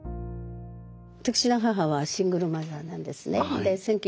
私の母はシングルマザーなんですね。